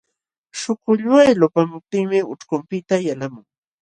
Śhukulluway lupamuptinmi ucćhkunpiqta yalqamun.